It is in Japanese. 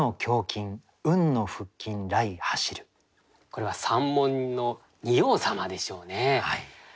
これは山門の仁王様でしょうね。